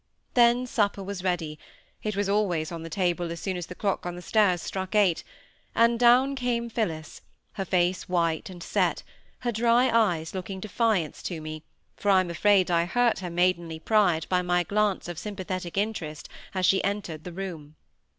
Then supper was ready; it was always on the table as soon as the clock on the stairs struck eight, and down came Phillis—her face white and set, her dry eyes looking defiance to me, for I am afraid I hurt her maidenly pride by my glance of sympathetic interest as she entered the room.